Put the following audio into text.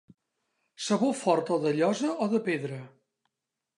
Sabó fort o de llosa o de pedra.